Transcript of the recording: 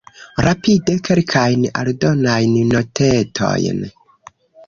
Rapide kelkajn aldonajn notetojn.